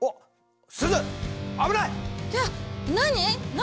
何？